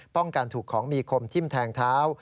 ป้องกันถูกของมีคมทิ้มแทงเท้า